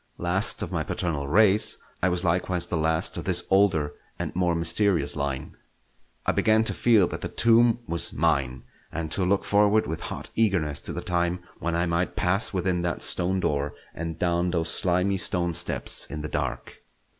Last of my paternal race, I was likewise the last of this older and more mysterious line. I began to feel that the tomb was mine, and to look forward with hot eagerness to the time when I might pass within that stone door and down those slimy stone steps in the dark.